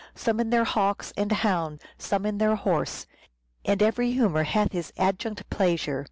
Some in their hawks and hounds ; some in their horse ; And every humour hath his adjunct pleasure.